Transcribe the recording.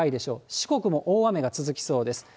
四国も大雨が続きそうです。